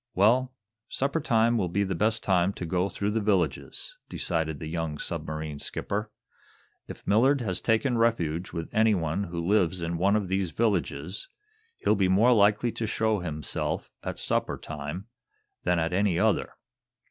"Well, supper time will be the best time to go through the villages," decided the young submarine skipper "If Millard has taken refuge with anyone who lives in one of these villages, he'll be more likely to show himself at supper time than at any other."